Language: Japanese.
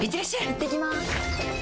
いってきます！